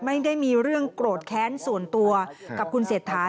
ไม่ได้มีเรื่องโกรธแค้นส่วนตัวกับคุณเศรษฐา